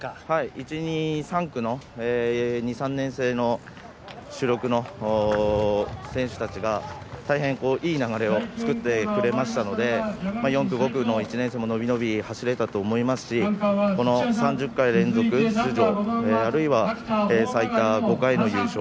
１、２、３区の２３年生の主力の選手たちが大変いい流れを作ってくれましたので４区、５区の１年生も伸び伸び走れたと思いますしこの３０回連続出場あるいは最多５回の優勝。